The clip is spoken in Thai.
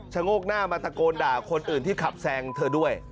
โงกหน้ามาตะโกนด่าคนอื่นที่ขับแซงเธอด้วย